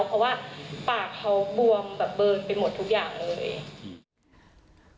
เพราะว่าปากเขาบวมเบิดไปหมดทุกอย่างเลย